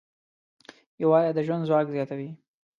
یووالی د ژوند ځواک زیاتوي.